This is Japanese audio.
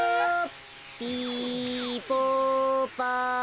ピポパ。